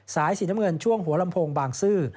สายสีน้ำเงินช่วงหัวลำโพงบางซื่อ